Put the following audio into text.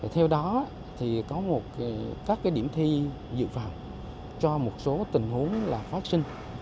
theo đó thì có một các cái điểm thi dự phạm cho một số tình huống là phát sinh